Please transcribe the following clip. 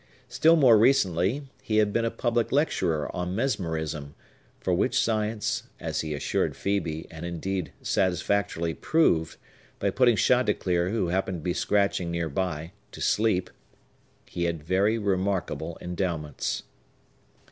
Still more recently he had been a public lecturer on Mesmerism, for which science (as he assured Phœbe, and, indeed, satisfactorily proved, by putting Chanticleer, who happened to be scratching near by, to sleep) he had very remarkable endowments.